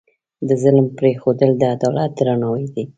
د ظلم پرېښودل، د عدالت درناوی دی.